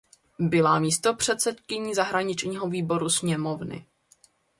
Byla místopředsedkyní zahraničního výboru sněmovny.